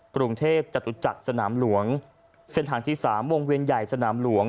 กรุงเทพจตุจักรสนามหลวงเส้นทางที่สามวงเวียนใหญ่สนามหลวง